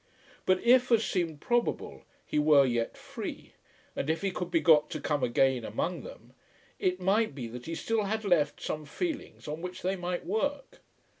But if, as seemed probable, he were yet free, and if he could be got to come again among them, it might be that he still had left some feelings on which they might work.